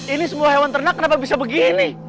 ini semua hewan ternak kenapa bisa begini